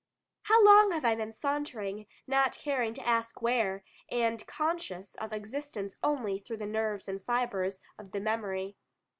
How long have I been sauntering, not caring to ask where, and conscious of existence only through the nerves and fibres of the memory.